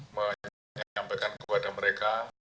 menyampaikan kepada mereka